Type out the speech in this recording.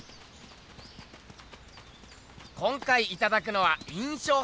今回いただくのは印象派の大ものだ。